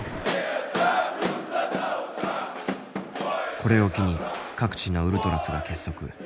これを機に各地のウルトラスが結束。